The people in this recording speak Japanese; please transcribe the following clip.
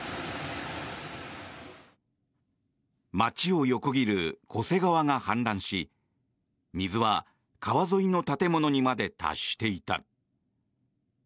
町を横切る巨瀬川が氾濫し水は川沿いの建物にまで達していた。